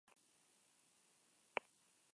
Bazekiten zibil asko, milaka, hilko zituztela.